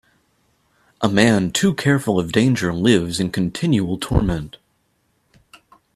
A man too careful of danger lives in continual torment.